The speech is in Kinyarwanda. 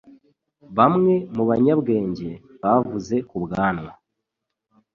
Bamwe mubanyabwenge bavuze ku bwanwa